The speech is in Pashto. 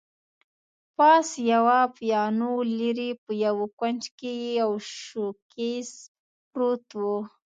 پاس یوه پیانو، لیري په یوه کونج کي یو شوکېز پروت وو.